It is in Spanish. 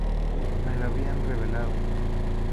Me lo habían revelado.